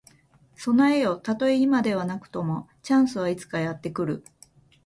備えよ。たとえ今ではなくとも、チャンスはいつかやって来る。